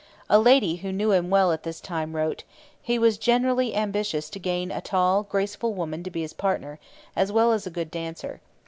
A lady who knew him well at this time wrote: 'He was generally ambitious to gain a tall, graceful woman to be his partner, as well as a good dancer.